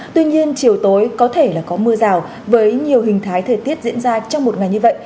tuy nhiên chiều tối có thể là có mưa rào với nhiều hình thái thời tiết diễn ra trong một ngày như vậy